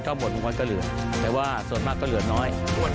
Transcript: ก็หมดทุกวันก็เหลือแต่ว่าส่วนมากก็เหลือน้อย